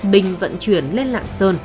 bình vận chuyển lên lạng sơn